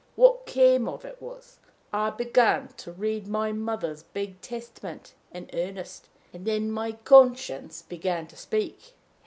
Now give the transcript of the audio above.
What came of it was, that I began to read my mother's big Testament in earnest, and then my conscience began to speak.